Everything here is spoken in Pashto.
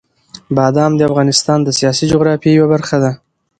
بادام د افغانستان د سیاسي جغرافیې یوه برخه ده.